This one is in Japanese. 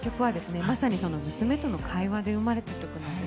まさに娘との会話で生まれた曲です。